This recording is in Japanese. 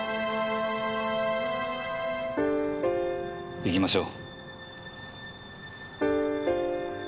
行きましょう。